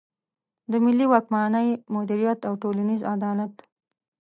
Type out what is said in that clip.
د ملي واکمني مدیریت او ټولنیز عدالت.